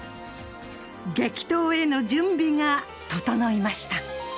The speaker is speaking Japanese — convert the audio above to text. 激闘への準備が整いました。